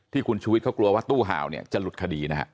ที่คุณชุวิตเขากลัวว่าตู้ห่าวเนี่ยจะหลุดคดีนะฮะ